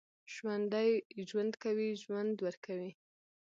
ژوندي ژوند کوي، ژوند ورکوي